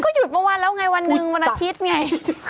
ก็หยุดมาวันแล้วไงวันนึงวันนาทิตย์ไง